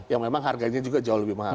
yang memang harganya juga jauh lebih mahal